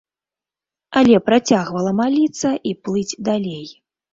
Але працягвала маліцца і плыць далей.